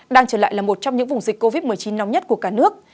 đang trở lại là một trong những vùng dịch covid một mươi chín nóng nhất của cả nước